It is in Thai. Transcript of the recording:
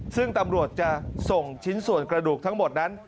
ซึ่งตำรวจจะส่งชิ้นส่วนกระดูกทั้งหมดนั้น